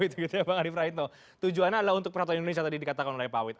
tujuannya adalah untuk peraturan indonesia tadi dikatakan oleh pak awit